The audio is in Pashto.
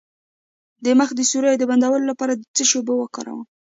د مخ د سوریو د بندولو لپاره د څه شي اوبه وکاروم؟